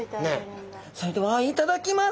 それではいただきます。